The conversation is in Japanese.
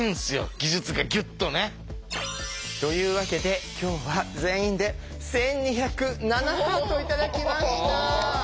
技術がギュッとね。というわけで今日は全員で１２０７ハート頂きました。